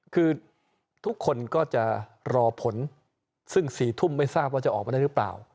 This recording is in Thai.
คือทุกคนก็จะรอผลซึ่ง๔ทุ่มไม่ทราบว่าจะออกมาได้หรือเปล่า